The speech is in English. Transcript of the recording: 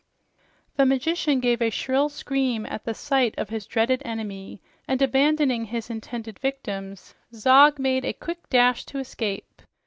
The magician gave a shrill scream at sight of his dreaded enemy, and abandoning his intended victims, Zog made a quick dash to escape.